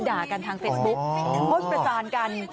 ด่ากันทางเฟซบุ๊กพูดประจานกัน